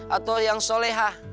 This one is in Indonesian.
atau yang solehah